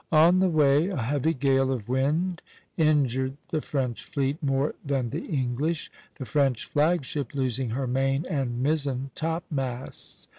On the way a heavy gale of wind injured the French fleet more than the English, the French flag ship losing her main and mizzen topmasts.